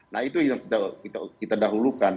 nah itu yang kita dahulukan